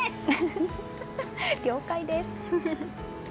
了解です！